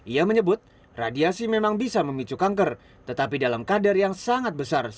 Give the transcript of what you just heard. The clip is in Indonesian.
ia menyebut radiasi memang bisa memicu kanker tetapi dalam kadar yang sangat besar